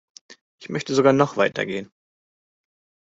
Ich möchte sogar noch weiter gehen.